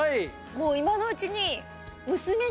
もう今のうちに。